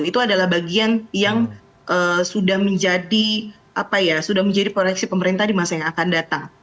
itu adalah bagian yang sudah menjadi apa ya sudah menjadi proyeksi pemerintah di masa yang akan datang